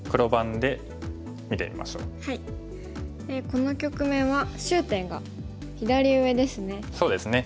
この局面は焦点が左上ですね。